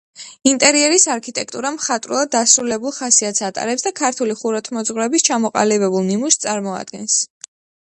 ინტერიერის არქიტექტურა მხატვრულად დასრულებულ ხასიათს ატარებს და ქართული ხუროთმოძღვრების ჩამოყალიბებულ ნიმუშს წარმოადგენს.